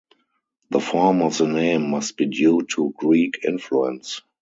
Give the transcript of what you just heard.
The form of the name must be due to Greek influence.